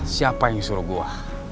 siapa yang suruh gue